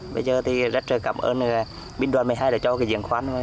bây giờ thì rất cảm ơn binh đoàn một mươi hai đã cho cái diện khoan